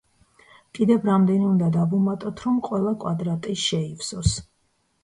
კიდევ რამდენი უნდა დავუმატოთ, რომ ყველა კვადრატი შეივსოს.